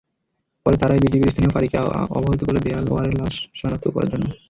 পরে তাঁরাই বিজিবির স্থানীয় ফাঁড়িকে অবহিত করে দেলওয়ারের লাশ শনাক্ত করেন।